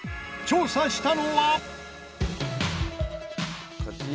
調査したのは。